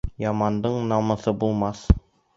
Ямандың намыҫы булмаҫ.